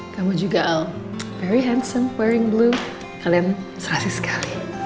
kamu juga al very hanson paling blue kalian serasi sekali